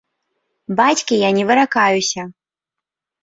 Бацькі я не выракаюся!